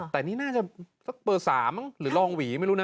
แต่นี่น่าจะสักเบอร์๓มั้งหรือรองหวีไม่รู้นะ